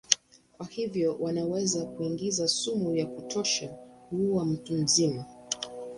Kwa hivyo wanaweza kuingiza sumu ya kutosha kuua mtu mzima.